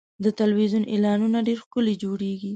د تلویزیون اعلانونه ډېر ښکلي جوړېږي.